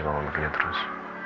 mau begini terus